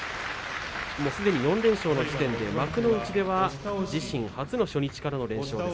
４連勝の時点で幕内では自身初の初日からの４連勝。